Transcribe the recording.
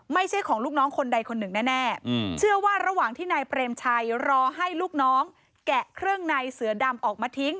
ไม่ใช่ของลูกน้องคนใดคนหนึ่งแน่เชื่อว่าระหว่างที่นายเปรมชัยรอให้ลูกน้องแกะเครื่องในเสือดำออกมาทิ้ง